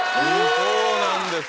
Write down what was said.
そうなんです。